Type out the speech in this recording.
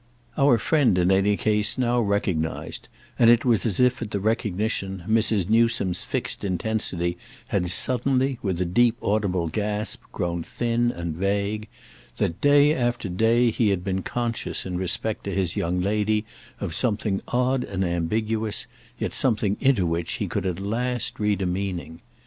Our friend in any case now recognised—and it was as if at the recognition Mrs. Newsome's fixed intensity had suddenly, with a deep audible gasp, grown thin and vague—that day after day he had been conscious in respect to his young lady of something odd and ambiguous, yet something into which he could at last read a meaning.